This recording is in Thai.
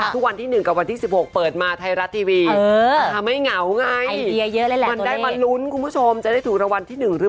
แล้วเห็นทะเบียนรถก็คือ๘๑